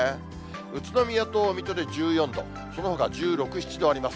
宇都宮と水戸で１４度、そのほかは１６、７度あります。